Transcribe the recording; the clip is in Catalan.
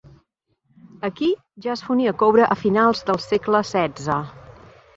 Aquí ja es fonia coure a finals del segle XVI.